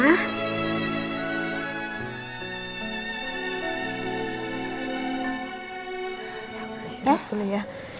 ya istirahat dulu ya